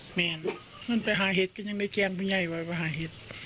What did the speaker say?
เหมียนมันไปหาเห็ดก็ยังได้แกล้งผู้ใหญ่ไว้ไปหาเห็ด